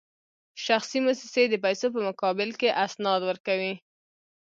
شخصي موسسې د پیسو په مقابل کې اسناد ورکوي